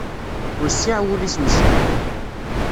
Wessiɛ wul-is meskin